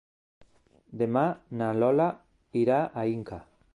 Demà na Lola irà a Inca.